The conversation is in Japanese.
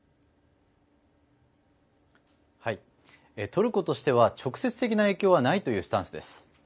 トルコとしては直接的な影響はないというスタンスです。